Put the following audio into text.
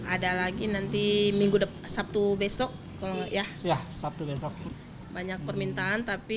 ada lagi nanti minggu sabtu besok kalau ya sabtu besok banyak permintaan tapi